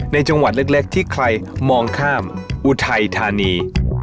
ในจังหวัดเล็กที่ใครมองข้ามอุทัยธานี